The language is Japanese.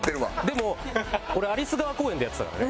でも俺有栖川公園でやってたからね。